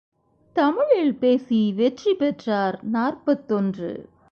தமிழில் பேசி வெற்றி பெற்றார் நாற்பத்தொன்று.